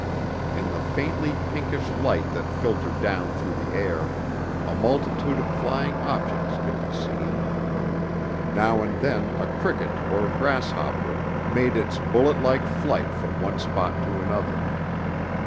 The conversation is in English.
In the faintly pinkish light that filtered down through the air, a multitude of flying objects could be seen. Now and then a cricket or a grasshopper made its bullet like flight from one spot to another.